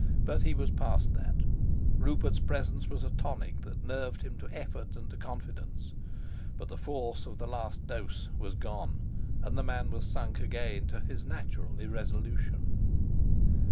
But he was past that: Rupert's presence was a tonic that nerved him to effort and to confidence, but the force of the last dose was gone and the man was sunk again to his natural irresolution.